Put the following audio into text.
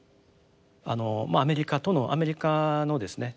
あのアメリカとのアメリカのですね